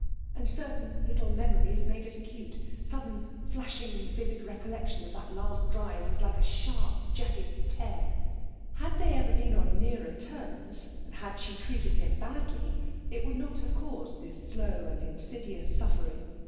And certain little memories made it acute; sudden flashing vivid recollection of that last drive was like a sharp jagged tear. Had they ever been on nearer terms, and had she treated him badly, it would not have caused this slow and insidious suffering.